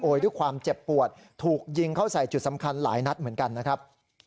ด้วยความเจ็บปวดถูกยิงเข้าใส่จุดสำคัญหลายนัดเหมือนกันนะครับ